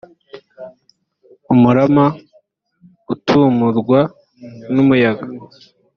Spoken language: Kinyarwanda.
umurama utumurwa n umuyaga